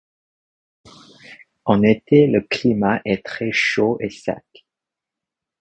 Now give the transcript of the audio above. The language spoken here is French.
En été, le climat est très chaud et sec.